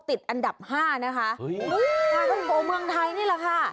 ติดอันดับห้านะคะทาวนโกเมืองไทยนี่แหละค่ะ